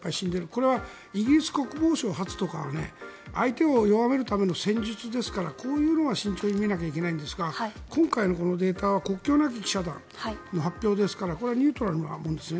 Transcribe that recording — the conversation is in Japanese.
これはイギリス国防省発とかの相手を弱めるための戦術ですからこういうのは慎重に見なきゃいけないんですが今回のデータは国境なき記者団の発表ですからこれはニュートラルなものです。